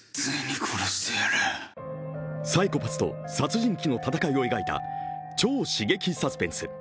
サイコパスと殺人鬼の戦いを描いた超刺激サスペンス。